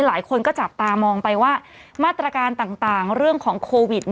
หลายคนก็จับตามองไปว่ามาตรการต่างเรื่องของโควิด